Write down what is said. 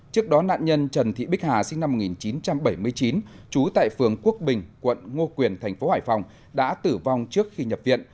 trước đó nạn nhân trần thị bích hà sinh năm một nghìn chín trăm bảy mươi chín trú tại phường quốc bình quận ngo quyền tp hải phòng đã tử vong trước khi nhập viện